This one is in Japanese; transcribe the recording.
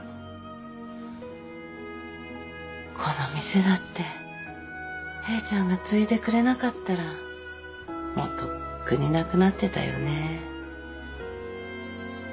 この店だってヘイちゃんが継いでくれなかったらもうとっくになくなってたよね。